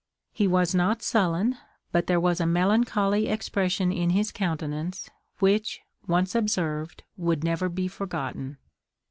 He was not sullen, but there was a melancholy expression in his countenance, which, once observed, would never be forgotten.